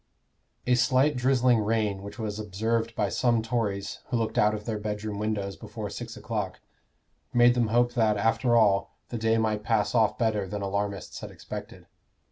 A slight drizzling rain which was observed by some Tories who looked out of their bedroom windows before six o'clock, made them hope that, after all, the day might pass off better than alarmists had expected.